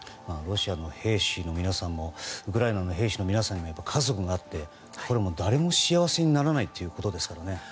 ロシアの兵士の皆さんもウクライナの兵士の皆さんにも家族があって誰も幸せにならないということですからね。